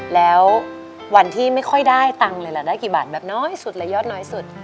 แล้ววันที่ไม่ค่อยได้ตังค์เลยล่ะได้กี่บาทแบบน้อยสุดและยอดน้อยสุด